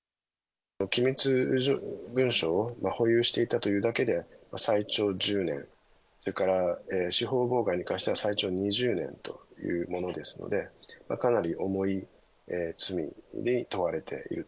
機密文書を保有していたというだけで最長１０年、それから司法妨害に関しては最長２０年というものですので、かなり重い罪に問われていると。